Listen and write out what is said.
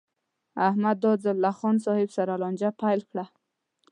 احمد دا ځل له خان صاحب سره لانجه پیل کړه.